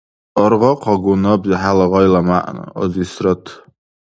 Аргъахъагу набзи хӀела гъайла мягӀна, азис рат.